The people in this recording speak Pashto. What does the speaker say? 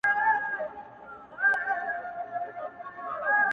پر وظیفه عسکر ولاړ دی تلاوت کوي،